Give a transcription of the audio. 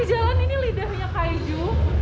tapi kita lagi jalan ini lidahnya kaiju